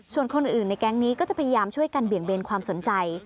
ส่วนคนอื่นในแก๊งนี้ก็จะพยายามช่วยกันเบี่ยงเบนความสนใจ